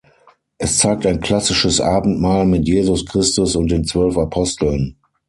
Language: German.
Es zeigt ein klassisches Abendmahl mit Jesus Christus und den zwölf Aposteln.